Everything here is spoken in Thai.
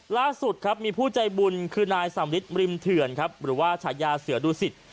ล่าสุดครับมีผู้ใจบุญคือนายสำริทริมเถื่อนครับหรือว่าฉายาเสือดูสิต